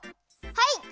はい！